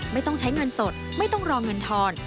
ไม่ต้องใช้เงินสดไม่ต้องรอเงินทอน